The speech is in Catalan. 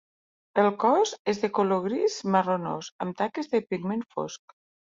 El cos és de color gris-marronós amb taques de pigment fosc.